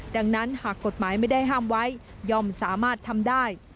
ดังนั้นหากกฎหมายไม่ได้ห้ามไว้ย่อมสามารถทำได้